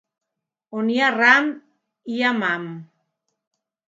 On hi ha ram, hi ha mam.